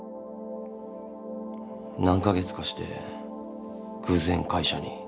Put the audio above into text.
何カ月かして偶然会社に。